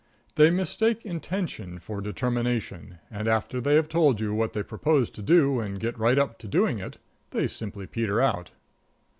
They mistake intention for determination, and after they have told you what they propose to do and get right up to doing it, they simply peter out.